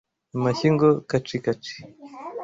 Amashyi ngo:Kacikacikaci!»